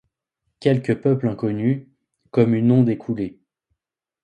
Quelque peuple inconnu, comme une onde écoulé.